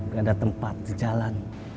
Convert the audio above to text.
nggak ada tempat di jalan